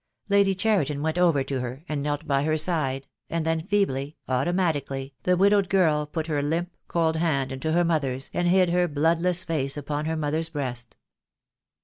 Lady Cheriton went over to her, and knelt by her side, and then, feebly, automatically, the widowed girl put her limp, cold hand into her mother's and hid her bloodless face upon her mother's breast.